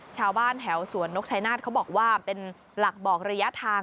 ชาวบ้านแถวสวนนกชายนาฏเขาบอกว่าเป็นหลักบอกระยะทาง